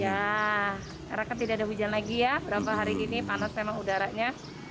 ya karena kan tidak ada hujan lagi ya berapa hari gini panas memang udaranya